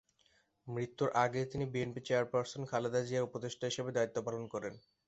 মৃত্যুর আগে তিনি বিএনপি চেয়ারপারসন খালেদা জিয়ার উপদেষ্টা হিসেবে দায়িত্ব পালন করেন।